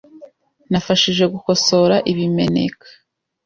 Nafashije gukosora ibimeneka .